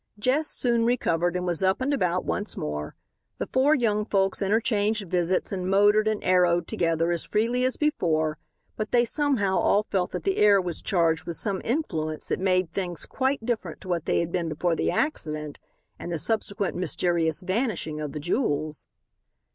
Jess soon recovered and was up and about once more. The four young folks interchanged visits and motored and "aeroed" together as freely as before, but they somehow all felt that the air was charged with some influence that made things quite different to what they had been before the accident and the subsequent mysterious vanishing of the jewels.